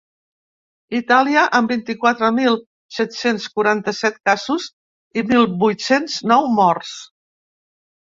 Itàlia, amb vint-i-quatre mil set-cents quaranta-set casos i mil vuit-cents nou morts.